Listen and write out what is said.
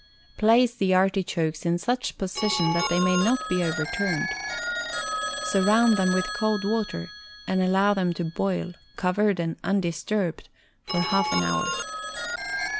Place the artichokes in such position that they may not be overturned. Surround them with cold water, and allow them to boil, covered and undisturbed, for half an hour.